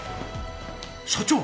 社長！